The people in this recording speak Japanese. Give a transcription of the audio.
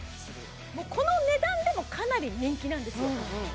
もうこの値段でもかなり人気なんですよ